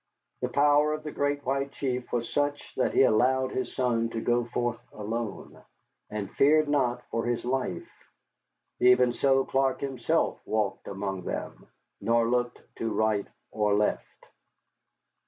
The power of the Great White Chief was such that he allowed his son to go forth alone, and feared not for his life. Even so Clark himself walked among them, nor looked to right or left.